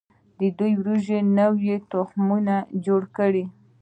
دوی د وریجو نوي تخمونه جوړ کړي.